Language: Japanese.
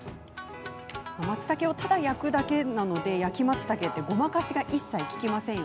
まつたけをただ焼くだけなので焼きまつたけってごまかしが一切、利きません。